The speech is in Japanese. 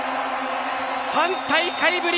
３大会ぶり